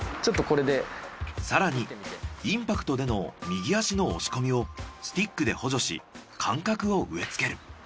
更にインパクトでの右足の押し込みをスティックで補助し感覚を植えつける。